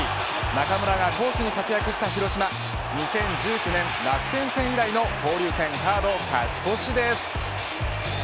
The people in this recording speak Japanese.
中村が攻守に活躍した広島２０１９年楽天戦以来の交流戦カード勝ち越しです。